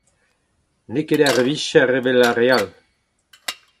N’eo ket ur vicher evel ar re all.